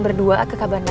berdua ke cabanana